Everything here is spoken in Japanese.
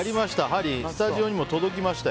ハリー、スタジオにも届きました。